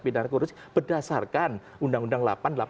pindahan kurus berdasarkan undang undang